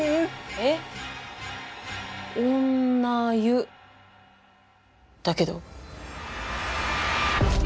えっ「女」「湯」だけど。